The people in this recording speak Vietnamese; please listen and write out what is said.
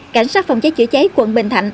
cảnh sát phòng trái chế cháy tp hcm